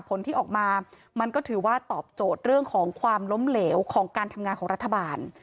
ผลที่ออกมามันก็ถือว่าตอบโจทย์เรื่องของความล้มเหลวของการทำงานของรัฐบาล